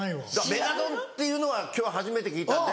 メガドンっていうのは今日初めて聞いたんで。